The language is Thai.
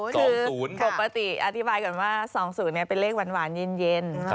ปกติอธิบายก่อนว่า๒๐เป็นเลขหวานเย็น